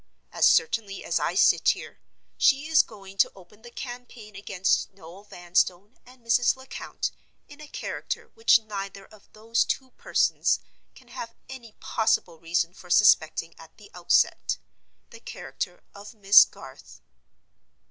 As certainly as I sit here, she is going to open the campaign against Noel Vanstone and Mrs. Lecount in a character which neither of those two persons can have any possible reason for suspecting at the outset—the character of Miss Garth.